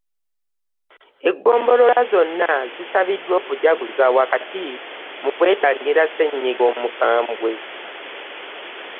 Eggombolola zonna zisabiddwa okujaguza wakati mu kwetangira Ssenyiga omukambwe